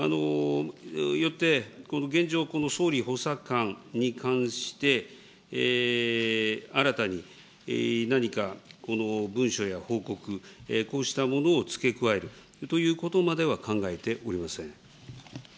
よって、現状、この総理補佐官に関して新たに何か文書や報告、こうしたものを付け加えるということまでは考えておりません。